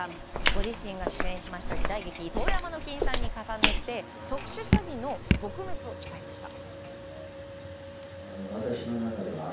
ご自身が主演した時代劇「遠山の金さん」に重ねて特殊詐欺の撲滅を誓いました。